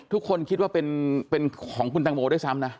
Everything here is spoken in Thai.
ทุกคนคิดว่าเป็นของคุณตังโมด้วยซ้ำนะ